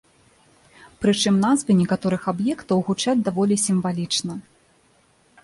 Прычым назвы некаторых аб'ектаў гучаць даволі сімвалічна.